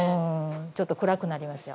ちょっと暗くなりますよ。